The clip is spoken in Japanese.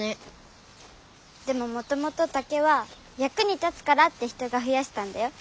でももともと竹はやくに立つからって人がふやしたんだよ。